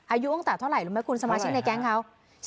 อายุตั้งแต่เท่าไหร่รู้ไหมคุณสมาชิกในแก๊งเขา